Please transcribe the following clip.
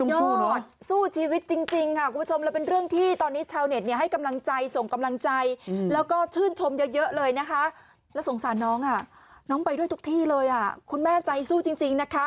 สุดยอดสู้ชีวิตจริงค่ะคุณผู้ชม